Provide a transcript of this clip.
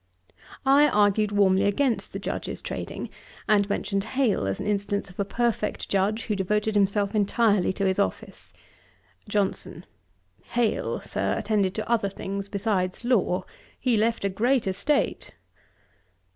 I argued warmly against the Judges trading, and mentioned Hale as an instance of a perfect Judge, who devoted himself entirely to his office. JOHNSON. 'Hale, Sir, attended to other things besides law: he left a great estate.'